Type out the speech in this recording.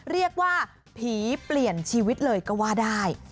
เรียกว่าผีเปลี่ยนชีวิตเลยก็ว่าได้